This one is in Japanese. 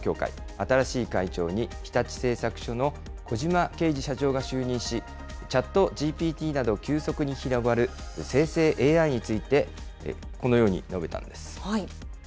新しい会長に日立製作所の小島啓二社長が就任し、ＣｈａｔＧＰＴなど、急速に広がる生成ＡＩについてこのように述べたんです。